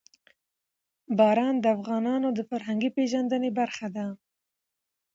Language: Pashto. باران د افغانانو د فرهنګي پیژندنې برخه ده.